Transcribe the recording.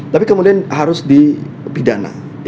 tapi kemudian harus dipidana